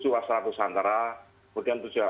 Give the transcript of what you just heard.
tujuh wastra nusantara